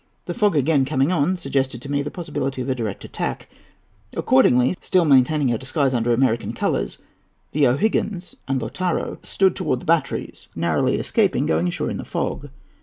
The fog, again coming on, suggested to me the possibility of a direct attack. Accordingly, still maintaining our disguise under American colours, the O'Higgins and Lautaro stood towards the batteries, narrowly escaping going ashore in the fog.